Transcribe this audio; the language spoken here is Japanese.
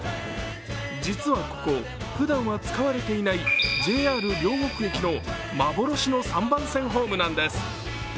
実はここ、ふだんは使われていないＪＲ両国駅の幻の３番線ホームなんです。